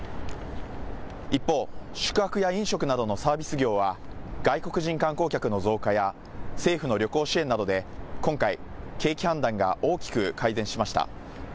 一方、宿泊や飲食などのサービス業は外国人観光客の増加や政府の旅行支援などで今回、景気判断が大きく改善しました。